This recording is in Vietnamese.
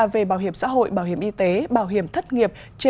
về bảo hiểm xã hội bảo hiểm y tế bảo hiểm thất nghiệp